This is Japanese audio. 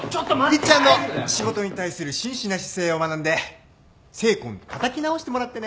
一ちゃんの仕事に対する真摯な姿勢を学んで精魂たたき直してもらってね。